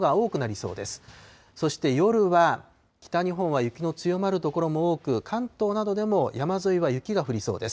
そして夜は、北日本は雪の強まる所も多く、関東などでも山沿いは雪が降りそうです。